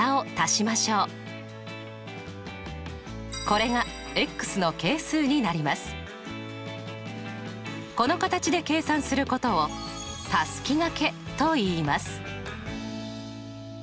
この形で計算することをたすきがけといいます。